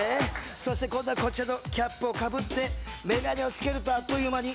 そして今度はこちらのキャップをかぶってメガネを付けるとあっという間に。